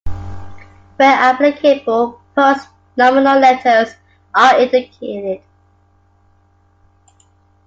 Where applicable, post-nominal letters are indicated.